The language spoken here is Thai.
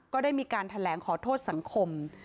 ก็ได้มีการแถลงขอโทษสังคม